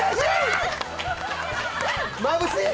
◆まぶしい！